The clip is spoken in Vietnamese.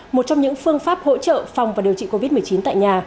một trong những phương pháp hỗ trợ phòng và điều trị covid một mươi chín tại nhà